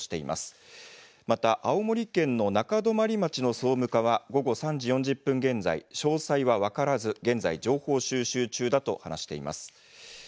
また青森県の中泊町の総務課は午後３時４０分現在、詳細は分からず現在、情報収集中だと話しています。